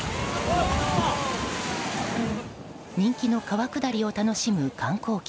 人気の川下りを楽しむ観光客。